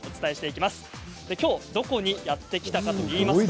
きょう、どこにやって来たかといいますと。